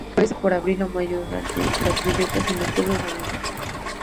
Florece por abril o mayo, madurando las bellotas en octubre o noviembre.